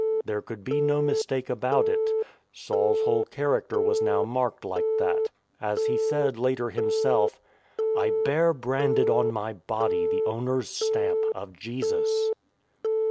There could be no mis take about it. Saul's whole character was now marked like that. As he said later himself :" I bear branded on my body the owner's stamp of Jesus."